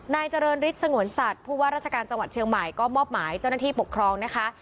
นายเจริญฤทธิสงวนสัตว์ผู้ว่าราชการจังหวัดเชียงใหม่ก็มอบหมายเจ้าหน้าที่ปกครองนะคะ